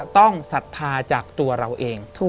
ศรัทธาจากตัวเราเอง